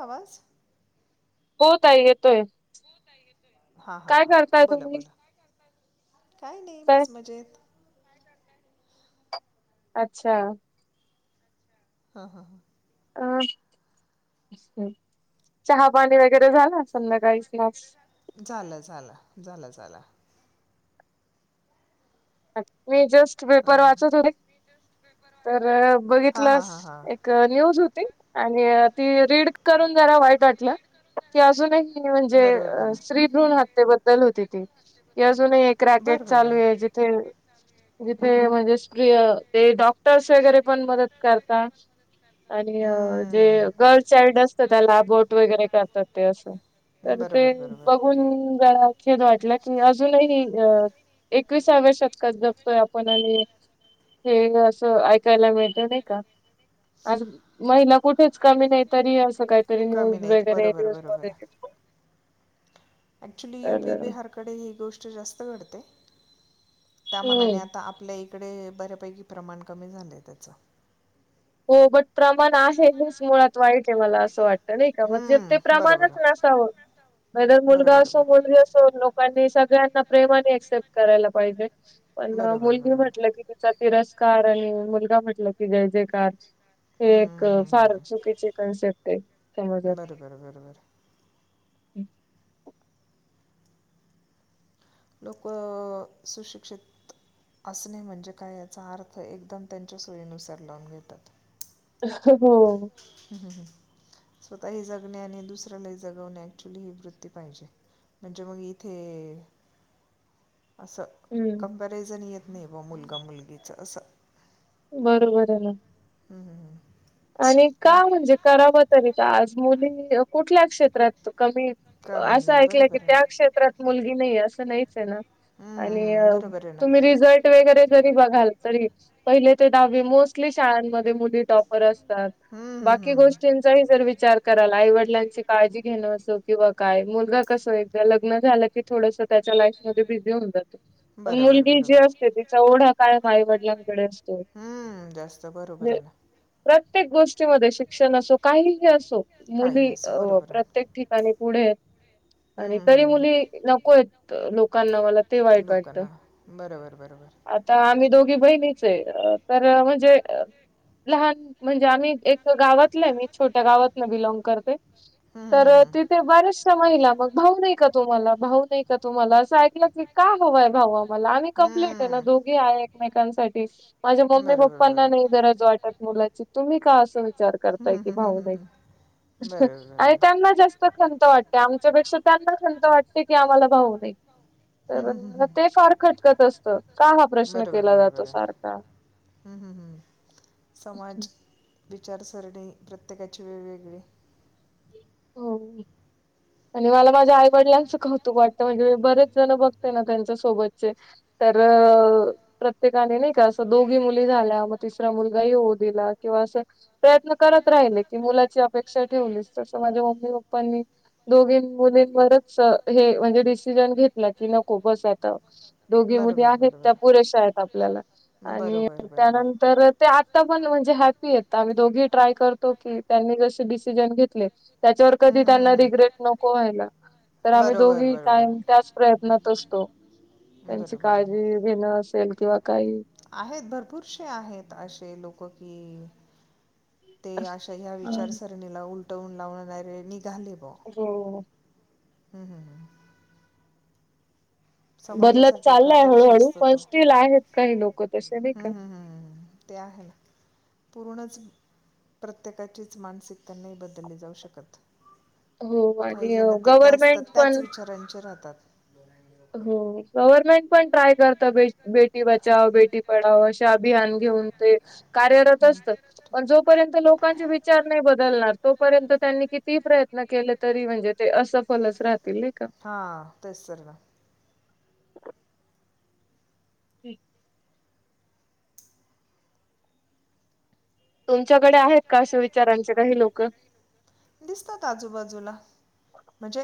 आवाज? हो ताई येतोय, काय करताय तुम्ही? काय नाही बस मजेत अच्छा हा हा हा अ चहा पाणी वगैरे झालं असल नाकाळीच ना झालं लं झालं लं अ मी जस्ट पेपर वाचतत होते तर बघितलंस एक न्यूज होती आणि ती रीड करून जरा वाईट वाटलं की अजूनही म्हणजे शत्रीभ्रूण हत्ये बद्दल होती ती की अजून एक रॅकेट चालू आहे जिथे म्हणजे प्रिय ते डॉक्टर्स वगरे पण मत करता आणि जे गर्ल् चाइल्ड असतं त्याला बोट वगैरे करतात ते असं तर ते बघून जरा खेद वाटलं की अजूनही अ एक सग शतकात जपतोय आपण आणि हे असं ऐकायला मिळ नाही का महिला कुठेच कमी नाही तरी असं काहीतरी न्यूज वगैरे एरज मध्ये अॅक्च्युली युपी बिहारकडे ही गोष्ट जास्त घडते त्या मनाने आता आपल्या इकडे बऱ्यापैकी प्रमाण कमी झाले त्याचं सब प्रमाण आहे हेच मुळात वाईट आहे मला असं वाटतं नाही का म्हणजे ते प्रमाणच नासाावं म तरर मुलगा असो मुलगी असो लोकांनी सगळ्यांना प्रेमाने क्सेप्ट करायला पाहिजे पण मुली म्हटलं की तिचा तिर कार आणि मुलगा म्हटलं की जय जय कार हे एक फार चुकीचे कन्सेप्ट आहे समाजात हच् लोक सुशिक्षित असणे म्हणजे काय याचा अर्थ एकदम त्यांच्या सोयीनुसार लावून घेतात हो स्वतःही जगणे आणि दुसऱ्यालाही जगवणे ऍक्च्युली ही वृत्ती पाहिजे म्हणजे मग इथे असं कंपॅरिझन येत नाही बा मुलगा मुलगीचं असं बरोबर आहे ना हम हम ह आणि का म्हणजे करावं तरी का आज मुली कुठल्या क्षेत्रात तो कमी असं ऐकलं की त्या क्षेत्रात मुलगी नाहीे असं नाहीच आहे ना आणि तुम्ही रिझल्ट वगैरे जरी बघाल तरी पहिले ते दहावी मोस्टली शाळांमध्ये मुली टॉपर असतात बाकी गोष्टींचा जर विचार कराल आईवडिलांची काळजी घेणं असो किंवा काय मुलगा कस लग् झा क त्याच्या लाईफ मध्ये बिझी होऊन जाते पण मुलगी जी असते तिचा ओढा काय आईवडिलांकडे असतो जास्त बरोबर आहे ना प्रत्येक गोष्टी म शिक्षण असो काहीही असो मुली प्रत्येक ठिकाणी पुढे आणि तरी मुली नको य लोकांना मला ते वाईट वाटत आता आम्ही दोघी बहिणीच आहे तर म्हणजे लहान म्हणजे आम्ही एक गावातलं मी छोट्या गावातलं बिलॉग करते तर तिथे बऱ्याचशा महिला मग भाऊ नाही का तोमला भाऊ नाही तुम्हाला असं ऐकलं की काय हंय भावा मला आणि कंप्लीट आहे ना दोघी आहे. एकमेकांसाठी माझ्या मम्मी पप्पांना नाही गरज वाटत मुलाची, मी का असं विचार करताय की भाऊ नाही. आणि त्यांना जास्त खंत वाटते आमच्यापेक्षा त्यांना खंत वाटते की आम्हाला भाऊ नय, तर म ते फार खटकत असतं का हा प्रश्न केला जातो. सारखा, हम्म हम् हम्म समाज, विचारसरणी प्रत्येकाची वेगवेगळी, हो आणि मला माझ्या आई वडिलांचं कौतुक वाटतं म्हणजे मी बरेच जण बघते ना त्यांच्या सोबतचे तर प्रत्येकाने नाही का, असं दोघी मुली झाल्या मग तिसरा मुलगाही होऊ दिला किंवा तेव्हा असं [unintelligible] माझ्या मम्मी पप्पांनी दोघी मुली, म्हणजे डीसजन घतला की नको दोघी मुली आहेत आता, आपल्या आणि त्यानंतर ते आता पण म्हणजे हॅपपी येत. आहीत दोघी, ट्राय करतो की त्यांनी जसे डिसिजन घेतले. त्याच्यावर कधी त्यांना रिग्रेट तर आम्ही दोघी कायम त्याच प्रयत्नात असतो. त्यांची काळजी घेणं असेल किंवा आहेत भरपूरसेे आहेत असे लोक की, ते अशा ह्या विचारसरणीला उलटवून लाव नारे, हो बदलत चाललाय हळूहळू पण स्टीलील आहेत, काही लोक तसे नाही का. ते आहे त, पूर्ण प्रत्येकाचीच मानसिकता नाही, बदलली जाऊ शकत. हो आणि गव्हर्मेंट पण, [unintelligible] हो गव्हर्नमेंट पण ट्राय करत. बेटी बचाओ बेटी पडाओ अस अभियान घेऊन ते, जोपर्यंत लोक, लोकांचे विचार नाही बदलणार, तोपर्यंत त्यांनी किती प्रयत्न केले तरी म्हणजे ते असफलच राहतात. हा तेसर ना, [unintelligible] होम् [unintelligible] तुमच्याकडे आहेत का असे विचारांचे काही लोक! दिसतात आजूबाजूला म्हणजे,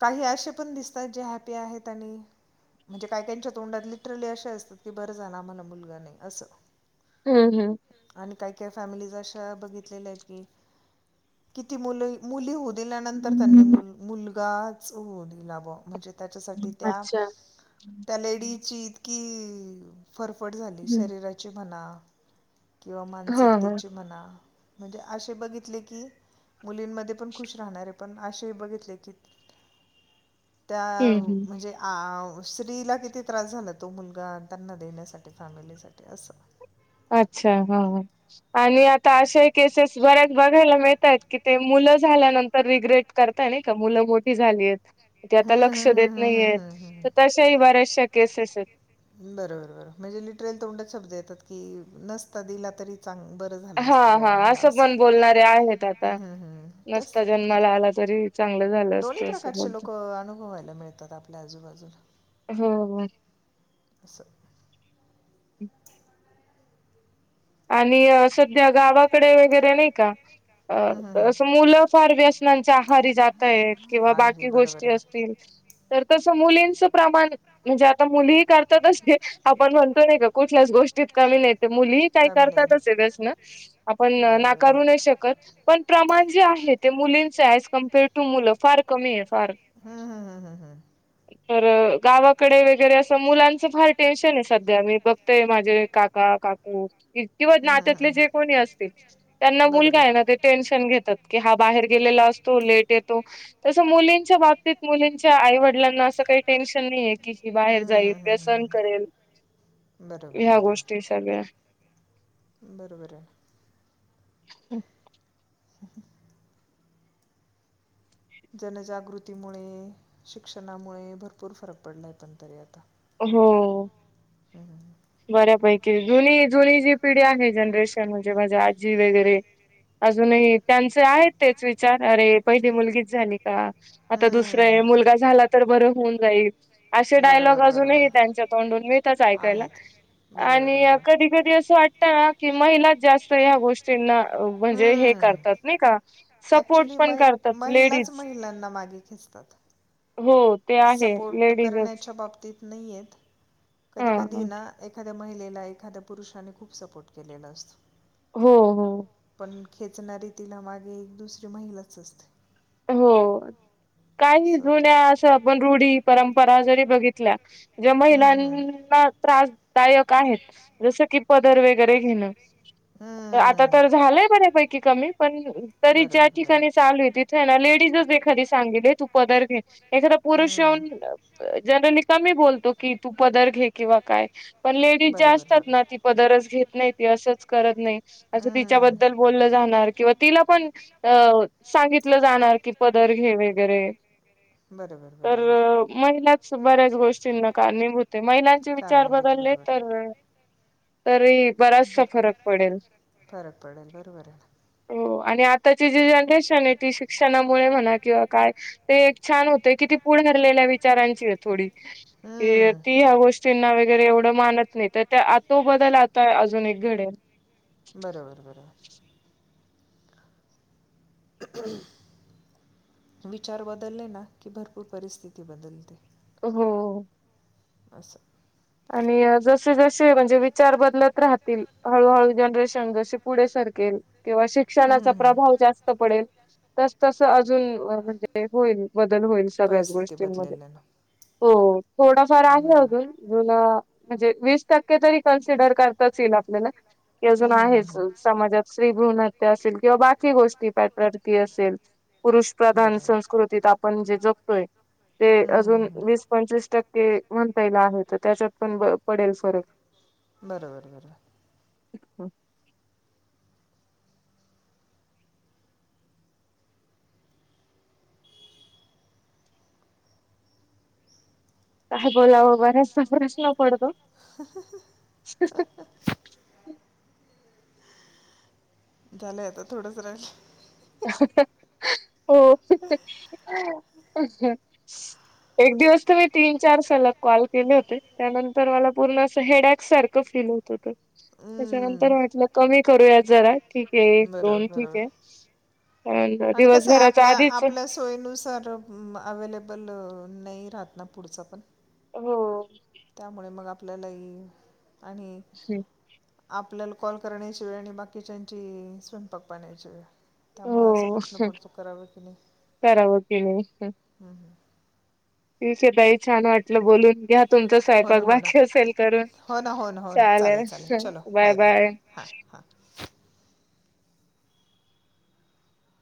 काही असे पण दिसतात जे हॅपी आहेत. आणि, म्हणजे काय काच्या तोंडात लिटरली असशा असतात की बरं झाल आम्हाला मुलगा नाही असं. हम्म हम्म काय काय फॅमली अश बघितल्या आहेत. किती मुली हो, दिल्यानंतर त्यांनी मुलगाच होऊ, त्याच्यासाठी त्या त्या लेडीची, इतकी फरफड झाली शरीराची म्हणा, किंवा मानसिकतेची मना म्हणजे असे बघितले, की मुलींमध्ये पण खुश राहणारे पण असे बघितले की त्या म्हणजे अ, स्त्रीला किती त्रा, अच्छा हा आणि आता असशे केसेस बऱ्याच. बघायला मिळतय कि ते मुलं झाल्यानंतर रिग्रेट करताय, नाही का मुलं मोठी झाली आहेत. ते आता लक्ष देत नाहीयेत तर तशाही बऱ्याचशा केसेस आहेत. बरोबर बरोर म्हणजे लिटरेल तोंड शब्द येतात की नसत दिला तरी. हा हा असं पण बोलणारे आहेत, आता नसत जन्माला आला तर, दोन्ही प्रकारचे लोक अनुभवायला मिळतात आपल्या आजूबाजूला होम अस स अच [unintelligible] आणि सध्या गावाकडे वगैरे नाही का. अ असं मुलं फार व्यसनांच्या आहारी जाता आहेतेत किंवा बाकी गोष्टी असतील. तर तस. च मुलींचं प्रमाण म्हणजे आता मुलीही करतातच कि आपण म्हणतो का कुठल्याच गोष्टीत आलेलेत मुली सारकाच असेलच ना आपणन नाकारू नाही शकत पण प्रा जे आहे ते मुलींच ये एज कम्पेअर टू मुलं फार कमी आहे. हूं हूं हूं हूं हूं तर गावाकडे वगैरे असं मुलांचं फार टेन्शन आहे सध्या मी बघतय माझे काका काकू. किंवा नात्यातले जे कोणी असतील त्यांना मुलगा आहे ना ते टेन्शन घेतात की हा बाहेर गेला ला असतो लेट येतो तस मुलिंच्याबाबतीत मुलिंच्या आईवडलांना अस काही टेनशन नाही. की तिची बाहेर जाईल व्यसन करेल ह्या गोष्टी सगळ्या बरोबर आहे. हम् [inaudible] जनजागृतीमुळे शिक्षणामुळे भरपूर फरक पडलाय पण तरी आता. हो. बऱ्यापैकी जुनी जुनी जी पिढी आहे जनरेशन म्हणजे म्हणजे आ जी वगैरे अजूनही त्यांचे आहेत तेच विचार अरे पहिली मुलगीच झाली का आता दुसरं मुलगा झाला तर बर होऊन जाईल असे डायलॉग अजूनही त्यांच्या तोंडून मीळतच ऐकायला. आणि कधी कधी असं वाटतं की महिलाच जास्त ह्या गोष्टींना म्हणजे हे करतात नाही का सपोर्ट पण करतात लेडीज. त्यात हो ते आहे लेडीजच नाही येत कधी कधी ना एखा एखाद्या महिलेला एखद्या पुरुषानी खूप सपोर्ट केलेला असतो. हो हो. खेचणारी तिला मागे एक दुसरी महिलाच असते. हो काही जुन्या अशा आपण रूढी परंपरा जरी बघित महिलाना त्रासदायक आहेत जस की पदर वगैरे घेणं. आता तर झालंय बऱ्यापैकी कमी पण तरी ज्या ठिकाणी चालूये ती थ ना लेडीजच एखादी सांगली तू पदर घे एखादा पुरुषन येऊन जनरली की तू पदर घे किंवा काय पण लेडीज असतात ना ती पदरच घेत नाही असच कर नाही अस तिच्याबद्दल बोल जाणार किव्हा तिला पण आ सांगितलं तल जाणार कि पदर घे वैगेरे तर महिलांचं ब गोष्टींना कारणी भूत हे महिलांचे विचार बदलले तर तरी बरोबर फरक पडेल बरोबरये. हो आणि आताची जी जन ती शिक्षणामुळे म्हणा किंवा काय ते एक छान होतंय कि ती पुढे हरलेल्या विचारांची आहे थोडी. कि ती ह्या गोष्टींना वगैरे एवढं मानत नाही तर त्या तो बदल आता अजून एक घडेल. बरोबर बरोबर. [inaudible] विचार बदलले ना की भरपूर परिस्थिती बदलते. हो. आसं. आणि जसे जसे म्हणजे विचार बदलत राहतील हळूहळू जनरेशन जशी पु किंवा शिक्षणाचा प्रभाव जास्त पडेल तस तस अजून म्हणजे होईल बदल होईल सगळ्याच गोष्टींमध्ये हो थोडाफार आहे अजून जुला म्हणजे वीस कड आप अ भूणत्य असेल किंवा बाकी गोष्टी पटरती असेल पुरुष प्रधान संस्कृतीत आपण जे जगतोय ते अजून वीस पंचवीस टक्के ते म्हणतायला आहे तर त्याच्यात पण पडेल फरक बरोबर बरोबर अच्छा काय बोलाव बर्याच पडतो झालं आता थोडच रा हो एक दिवस तर मी तीन चार साला कॉल केले होते त्यानंतर मला पूर्ण असं हेडक सारखं फील होत होतं त्याच्यानंतर म्हटलं कमी करूयात जरा ठीक आहे एक दोन ठीक आहे आणि कस आहे आपल्या आपल्या सोयीनुसार अवेलेबल अ नाही राहत ना पुढचा पण हो त्यामुळे मग आपल्याला आणि आपल्याला कॉल करण्याशिवाय आणि बाकीच्याची स्वयंपाक पाहण्याचीि वेय त्यामुळे असा प्रश्न पडतो कराव की नाही हम्म हम् दाई छान वाटलं बोलून घ्या तुमचं स्वयंपाक बाकी असेल करून हो ना हो ना हो ना चालेल चालेल चलो बाय बाय हां हां